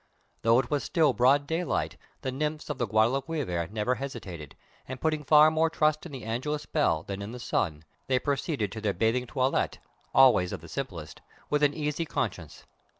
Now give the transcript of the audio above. Though it was still broad daylight, the nymphs of the Guadalquivir never hesitated, and putting far more trust in the Angelus bell than in the sun, they proceeded to their bathing toilette always of the simplest with an easy conscience.